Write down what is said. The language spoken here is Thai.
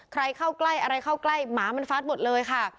ใครเข้าใกล้อะไรเข้าใกล้หมามันฟัดหมดเลยค่ะ